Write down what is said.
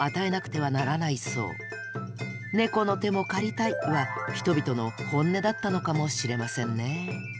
「猫の手も借りたい」は人々の本音だったのかもしれませんね。